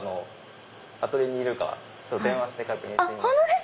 アトリエにいるか電話して確認してみます。